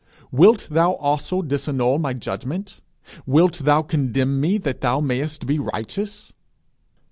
'Wilt thou also disannul my judgment? wilt thou condemn me that thou mayest be righteous?'